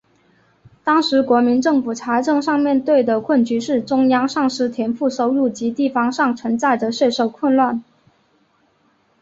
当时国民政府财政上面对的困局是中央丧失田赋收入及地方上存在着税收混乱。